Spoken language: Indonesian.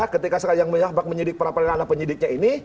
ketika sekarang yang menyabak menyidik perapradana penyidiknya ini